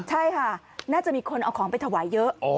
ใช่ค่ะน่าจะมีคนเอาของไปถวายเยอะ